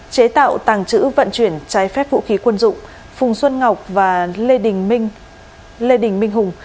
chế tạo tàng trữ vận chuyển trái phép vũ khí quân dụng phùng xuân ngọc và lê đình minh hùng